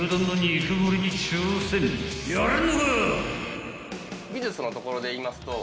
［やれんのか！？］